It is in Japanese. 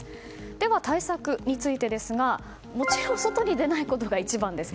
では、対策についてですがもちろん、外に出ないことが一番です。